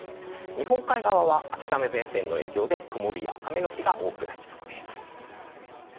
日本海側は秋雨前線の影響で曇りや雨の日が多くなりそうです。